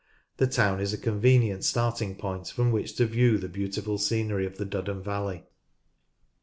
The town is a convenient starting point from which to view the beautiful scenery of the Duddon valley, (pp.